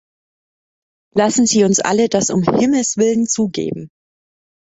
Lassen Sie uns alle das um Himmels Willen zugeben.